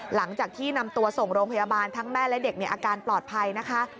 หลังจากที่นำตัวส่งโรงพยาบาลทั้งแม่และเด็กอาการปลอดภัยนะคะ